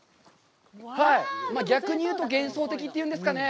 逆に言うと、幻想的というんですかね。